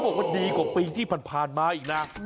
บอกว่าดีกว่าปีที่ผ่านมาอีกนะ